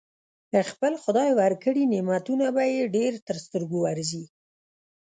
خپل خدای ورکړي نعمتونه به يې ډېر تر سترګو ورځي.